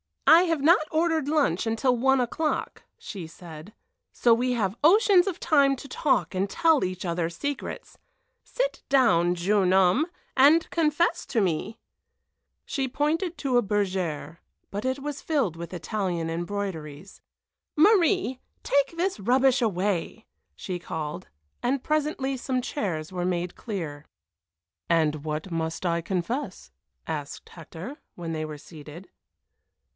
"I have not ordered lunch until one o'clock," she said, "so we have oceans of time to talk and tell each other secrets. Sit down, jeune homme, and confess to me." She pointed to a bergère, but it was filled with Italian embroideries. "Marie, take this rubbish away!" she called, and presently some chairs were made clear. "And what must I confess?" asked Hector, when they were seated.